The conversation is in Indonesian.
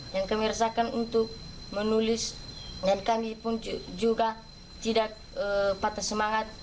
yang kami rasakan untuk menulis dan kami pun juga tidak patah semangat